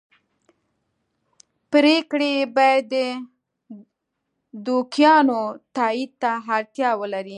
پرېکړې یې باید د دوکیانو تایید ته اړتیا ولري